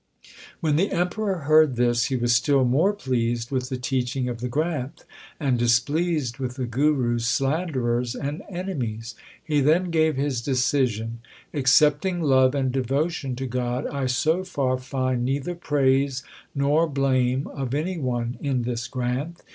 1 When the Emperor heard this, he was still more pleased with the teaching of the Granth, and dis pleased with the Guru s slanderers and enemies. He then gave his decision : Excepting love and devotion to God I so far find neither praise nor blame of any one in this Granth.